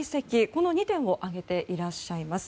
この２点を挙げていらっしゃいます。